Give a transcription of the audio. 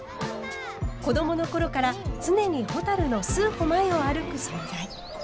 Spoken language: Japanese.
子どもの頃から常にほたるの数歩前を歩く存在。